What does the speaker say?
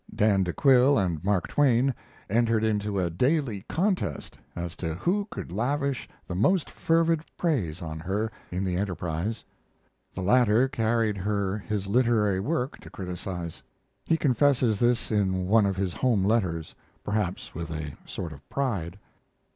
Dan de Quille and Mark Twain entered into a daily contest as to who could lavish the most fervid praise on her in the Enterprise. The latter carried her his literary work to criticize. He confesses this in one of his home letters, perhaps with a sort of pride.